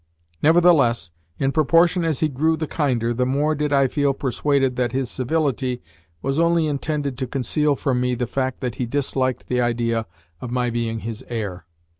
Nevertheless, in proportion as he grew the kinder, the more did I feel persuaded that his civility was only intended to conceal from me the fact that he disliked the idea of my being his heir.